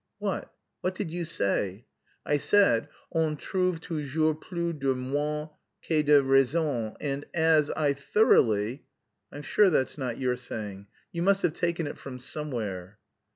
"What, what did you say?" "I said, on trouve toujours plus de moines que de raison, and as I thoroughly..." "I'm sure that's not your saying. You must have taken it from somewhere."